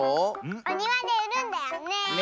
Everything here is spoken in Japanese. おにわでうるんだよね！ね！